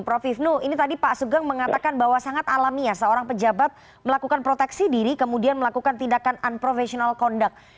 prof ibnu ini tadi pak sugeng mengatakan bahwa sangat alamiah seorang pejabat melakukan proteksi diri kemudian melakukan tindakan unprofessional conduct